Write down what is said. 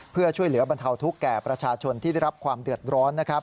เพื่อช่วยเหลือบรรเทาทุกข์แก่ประชาชนที่ได้รับความเดือดร้อน